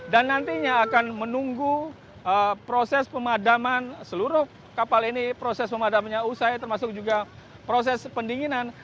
dan nantinya akan menunggu proses pemadaman seluruh kapal ini proses pemadamannya usai termasuk juga proses pendinginan